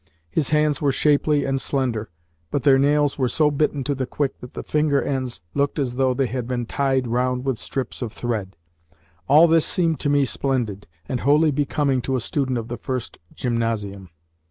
His hands were shapely and slender, but their nails were so bitten to the quick that the finger ends looked as though they had been tied round with strips of thread. All this seemed to me splendid, and wholly becoming to a student of the first gymnasium.